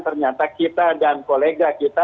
ternyata kita dan kolega kita